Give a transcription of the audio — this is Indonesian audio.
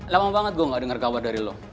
lama banget gue gak dengar kabar dari lo